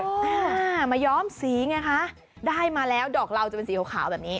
อ่ามาย้อมสีไงคะได้มาแล้วดอกเราจะเป็นสีขาวขาวแบบนี้